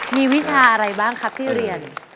มีวิชาอะไรบ้างครับที่เรียน